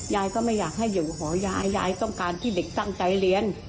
ยายก็ไม่อยากให้อยู่หอยายยายต้องการที่เด็กตั้งใจเรียน